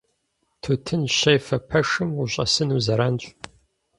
Тутын щефэ пэшым ущӀэсыну зэранщ.